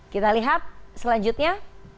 kita lihat selanjutnya